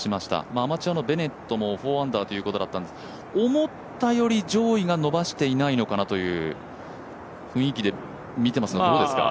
アマチュアのベネットも４アンダーということだったんですが思ったより上位が伸ばしていないのかなという雰囲気で見ていますが、どうですか？